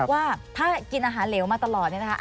ว่าถ้ากินอาหารเหลวมาตลอด